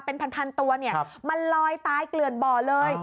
เป็นพันตัวมันลอยตายเกลือดเบาะเลย